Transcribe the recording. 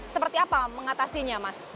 seperti apa mengatasinya mas